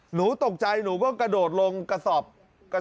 หนูตกใจหนูก็กระโดดลงกระสอบ